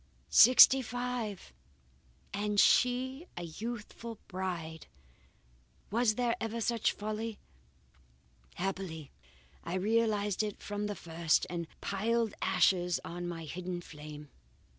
Sixty five! and she a youthful bride! Was there ever such folly! Happily I realized it from the first, and piled ashes on my hidden flame.